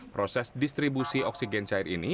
proses distribusi oksigen cair ini